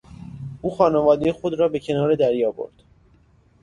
او خانوادهی خود را به کنار دریا برد.